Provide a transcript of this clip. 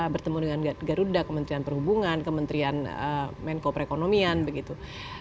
bertemu dengan garuda kementerian perhubungan kementerian menko perekonomian begitu